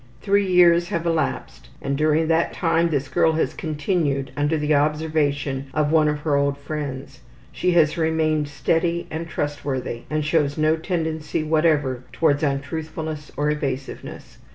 Three years have elapsed, and during the time this girl has continued under the observation of one of her old friends. She has remained steady and trustworthy, and shows no tendency whatever towards untruthfulness or evasiveness.